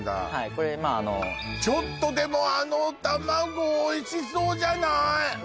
これちょっとでもあの卵おいしそうじゃない？